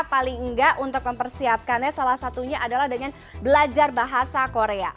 paling enggak untuk mempersiapkannya salah satunya adalah dengan belajar bahasa korea